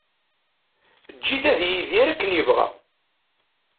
Eǧǧ-it ad yidir akken yebɣa.